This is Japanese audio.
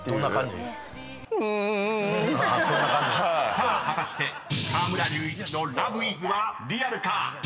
［さあ果たして河村隆一の『Ｌｏｖｅｉｓ．．．』はリアルか？